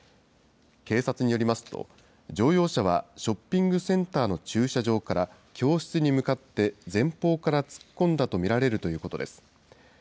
警察によりますと、乗用車はショッピングセンターの駐車場から、教室に向かって前方から突っ込んだと見られるということです。